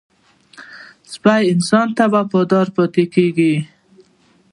سپي انسان ته وفاداره پاتې کېږي.